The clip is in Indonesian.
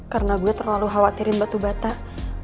karena gue terlalu khawatirin batu batak